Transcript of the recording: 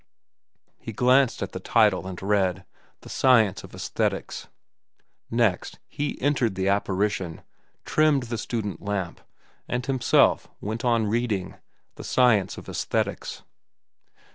He glanced at the title and read, "The Science of Æsthetics." Next, he entered into the apparition, trimmed the student lamp, and himself went on reading "The Science of Æsthetics."